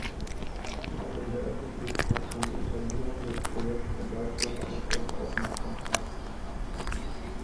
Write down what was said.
Auch in der Öffentlichkeit fand die Etablierung des Projektes in Deutschland eine große Aufmerksamkeit.